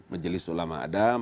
menjelis ulama adam